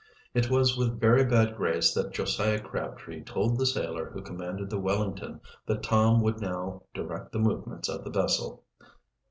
It was with very bad grace that Josiah Crabtree told the sailor who commanded the Wellington that Tom would now direct the movements of the vessel.